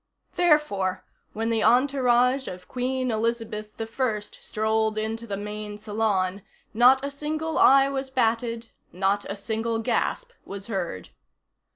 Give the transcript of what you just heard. Therefore, when the entourage of Queen Elizabeth I strolled into the main salon, not a single eye was batted. Not a single gasp was heard.